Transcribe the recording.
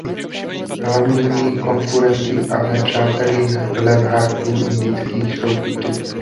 Hlavními konkurenty a nepřáteli levhartů indických jsou tygři.